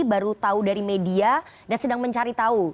baru tahu dari media dan sedang mencari tahu